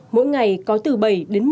mỗi ngày có từ bảy đến một mươi năm nhiệm vụ